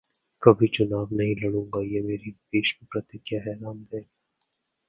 कभी चुनाव नहीं लड़ूंगा, यह मेरी ‘भीष्म प्रतिज्ञा’ है: रामदेव